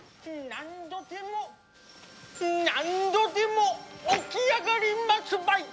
何度でも、何度でも起き上がりますばい！